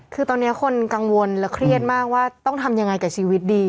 คือตอนนี้คนกังวลและเครียดมากว่าต้องทำยังไงกับชีวิตดี